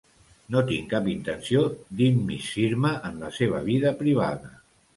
No tinc cap intenció d'immiscir-me en la seva vida privada.